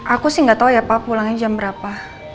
aku sih gak tau ya pak pulangnya jam berapa